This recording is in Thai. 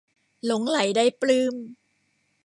หลงใหลได้ปลื้ม